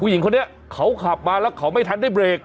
หญิงคนนี้เขาขับมาแล้วเขาไม่ทันได้เบรก